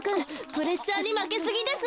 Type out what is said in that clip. プレッシャーにまけすぎです。